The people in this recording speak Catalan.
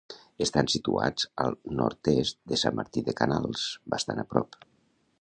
Estan situats al nord-est de Sant Martí de Canals, bastant a prop.